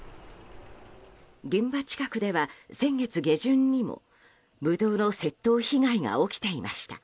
現場近くでは、先月下旬にもブドウの窃盗被害が起きていました。